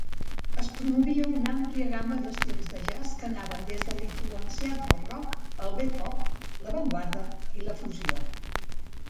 Es promovia una àmplia gamma d'estils de jazz que anaven des de l'influenciat pel rock, el bebop, l'avantguarda i la fusió.